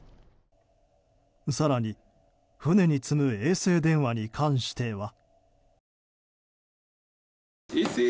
更に船に積む衛星電話に関しては。